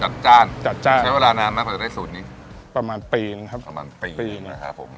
จ้านจัดจ้านใช้เวลานานมากกว่าจะได้สูตรนี้ประมาณปีนึงครับประมาณปีปีนะครับผม